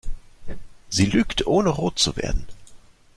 Sie lügt, ohne rot zu werden.